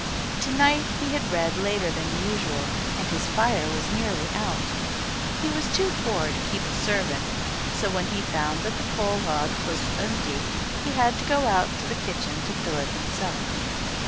To night he had read later than usual, and his fire was nearly out. He was too poor to keep a servant, so when he found that the coal hod was empty he had to go out to the kitchen to fill it himself.